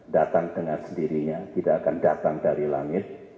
datang dengan sendirinya tidak akan datang dari langit